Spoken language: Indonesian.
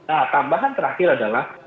nah tambahan terakhir adalah